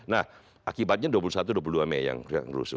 nah akibatnya dua puluh satu dua puluh dua mei yang rusuh